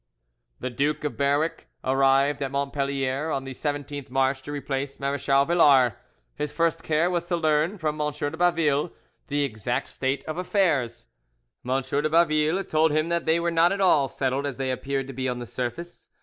The, Duke of Berwick arrived at Montpellier on the 17th March to replace Marechal Villars. His first care was to learn from M. de Baville the exact state of affairs. M. de Baville told him that they were not at all settled as they appeared to be on the surface.